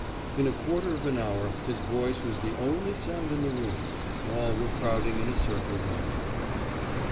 In a quarter of an hour his voice was the only sound in the room, All were crowding in a circle round him.